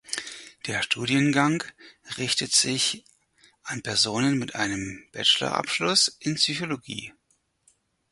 Der Studiengang richtet sich an Personen mit einem Bachelorabschluss in Psychologie.